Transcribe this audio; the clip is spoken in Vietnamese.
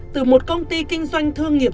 từ một công ty kinh doanh thương nghiệp